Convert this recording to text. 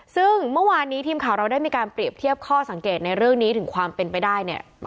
ซึ่งเมื่อวานนี้ทีมข่าวเราได้มีการเปรียบเทียบข้อสังเกตในเรื่องนี้ถึงความเป็นไปได้เนี่ย